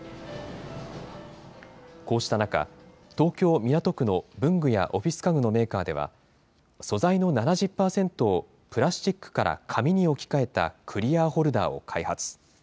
こうした中、東京・港区の文具やオフィス家具のメーカーでは、素材の７０％をプラスチックから紙に置き換えたクリアーホルダーを開発。